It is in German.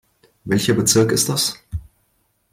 Welcher Bezirk ist das?